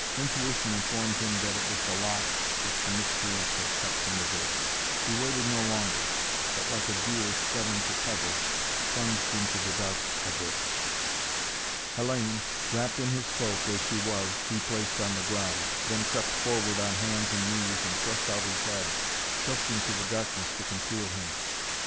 Intuition informed him that it was the lock which the miscreants had cut from the door. He waited no longer, but like a deer scudding to cover, plunged into the dark abyss. Hellayne, wrapped in his cloak, as she was, he placed on the ground, then crept forward on hands and knees and thrust out his head, trusting to the darkness to conceal him.